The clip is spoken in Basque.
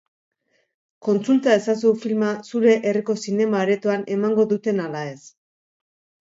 Kontsulta ezazu filma zure herriko zinema-aretoan emango duten ala ez.